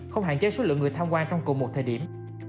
không hạn chế số lượng người tham quan trong cùng một thời điểm